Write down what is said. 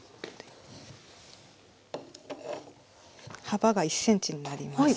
幅が１ｃｍになります。